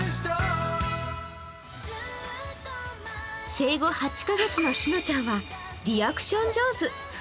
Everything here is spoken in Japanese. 生後８カ月のしのちゃんはリアクション上手。